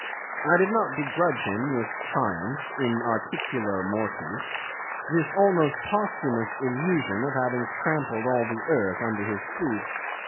I did not begrudge him this triumph in articulo mortis, this almost posthumous illusion of having trampled all the earth under his feet.